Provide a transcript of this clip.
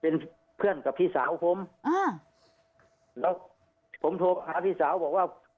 เป็นเพื่อนกับพี่สาวผมอ่าแล้วผมโทรหาพี่สาวบอกว่า